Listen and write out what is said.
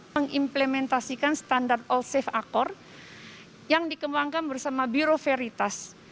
mengimplementasikan standar all safe accore yang dikembangkan bersama biro veritas